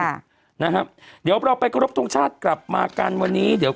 นะครับเดี๋ยวเราไปกรบทุกชาติกลับมากันวันนี้